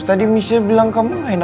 jadi kita berdua pitin